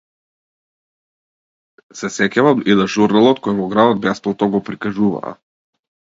Се сеќавам и на журналот кој во градот бесплатно го прикажуваа.